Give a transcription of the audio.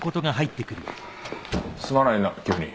すまないな急に。